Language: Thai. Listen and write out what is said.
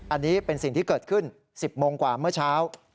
อันนี้เป็นสิ่งที่เกิดขึ้น๑๐โมงกว่าเมื่อเช้า